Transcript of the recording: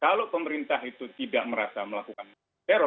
kalau pemerintah itu tidak merasa melakukan teror